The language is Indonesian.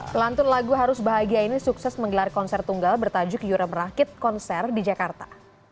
pelantun lagu harus bahagia ini sukses menggelar konser tunggal bertajuk yura merakit konser di jakarta